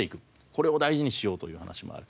これを大事にしようという話もある。